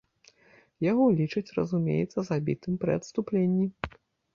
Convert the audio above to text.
Яго лічаць, разумеецца, забітым пры адступленні.